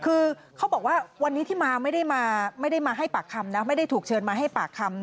คือเขาบอกว่าวันนี้ที่มาไม่ได้มาให้ปากคำนะไม่ได้ถูกเชิญมาให้ปากคำ